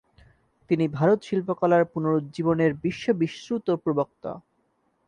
তিনি ভারতশিল্পকলার পুনরুজ্জীবনের বিশ্ববিশ্রুত প্রবক্তা।